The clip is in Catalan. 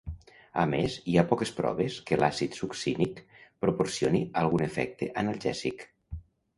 A més, hi ha poques proves que l'àcid succínic proporcioni algun efecte analgèsic.